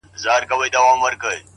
• د ښار خلکو ته دا لویه تماشه سوه ,